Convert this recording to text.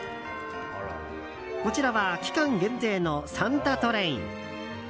こちらは期間限定のサンタトレイン。